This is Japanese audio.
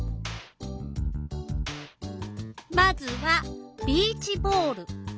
まずはビーチボール。